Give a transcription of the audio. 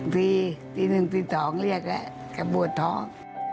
ตีหนึ่งตีสองเรียกแล้วกับบวชท้อง